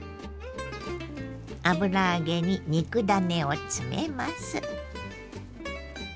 油揚げに肉ダネを詰めます。